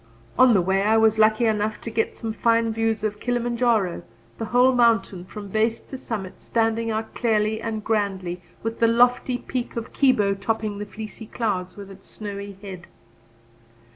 On the way I was lucky enough to get some fine views of Kilima N'jaro, the whole mountain from base to summit standing out clearly and grandly, with the lofty peak of Kibo topping the fleecy clouds with its snowy head.